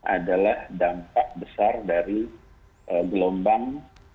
adalah dampak besar dari gelombang